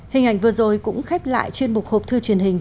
hình ảnh vừa rồi cũng khép lại chuyên mục hộp thư truyền hình